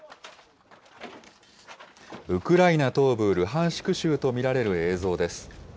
ウクライナ東部、ルハンシク州と見られる映像です。